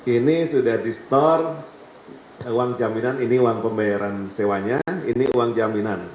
ini sudah di store uang jaminan ini uang pembayaran sewanya ini uang jaminan